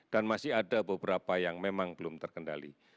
dan masih ada beberapa yang memang belum terkendali